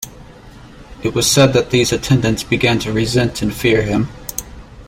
It was said that these attendants began to resent and fear him.